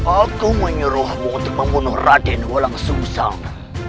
aku menyuruhmu untuk membunuh raden wolang susang